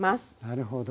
なるほど。